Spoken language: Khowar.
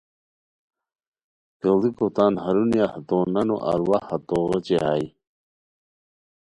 کیڑیکو تان ہرونیہ ہتو نانو ارواح ہتو غیچی ہائے